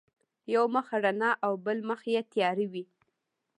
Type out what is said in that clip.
یو مخ رڼا او بل مخ یې تیار وي.